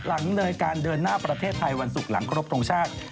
หลังเลยการเดินหน้าประเทศไทยวันศุกร์หลังครบทรงชาติ